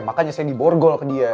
makanya saya di borgo loh ke dia